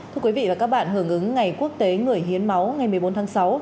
thưa quý vị và các bạn hưởng ứng ngày quốc tế người hiến máu ngày một mươi bốn tháng sáu